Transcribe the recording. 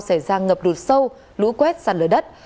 xảy ra ngập lụt sâu lũ quét sạt lở đất